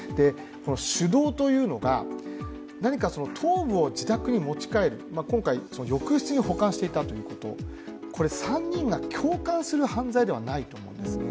主導というのが、何か頭部を自宅に持ち帰る今回、浴室に保管していたということ、これ、３人が共感する犯罪ではないと思うんですね。